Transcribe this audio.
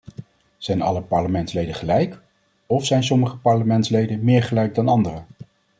Zijn alle parlementsleden gelijk of zijn sommige parlementsleden meer gelijk dan anderen?